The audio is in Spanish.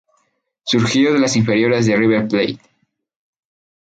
Surgido de las inferiores de River Plate.